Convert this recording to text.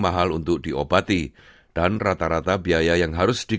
menurut leukemia foundation kanker darah adalah salah satu cleaning ab audio